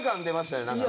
出ましたね。